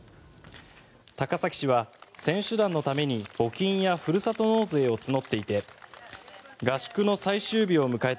高崎市は選手団のために募金やふるさと納税を募っていて合宿の最終日を迎えた